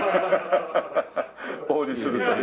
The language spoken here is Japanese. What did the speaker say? お売りするという。